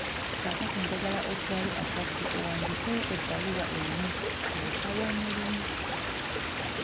Kaakati njagala otwale akadde owandiikeyo ebbaluwa emu ng'osaba omulimu.